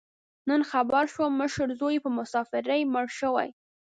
نن خبر شوم، مشر زوی یې په مسافرۍ مړ شوی.